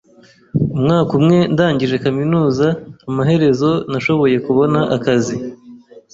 Umwaka umwe ndangije kaminuza, amaherezo nashoboye kubona akazi.